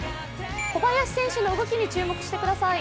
小林選手の動きに注目してください。